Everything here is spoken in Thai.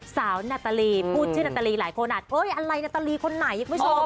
สาวนาตาลีกูเชื่อนาตาลีหลายคนอ่ะเอ้ยอะไรนาตาลีคนนั้ยยังไม่ซ่อม